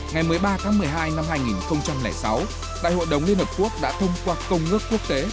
ngày một mươi ba tháng một mươi hai năm hai nghìn sáu đại hội đồng liên hợp quốc đã thông qua công ước quốc tế